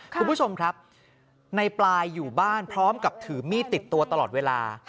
คุณผู้ชมครับในปลายอยู่บ้านพร้อมกับถือมีดติดตัวตลอดเวลา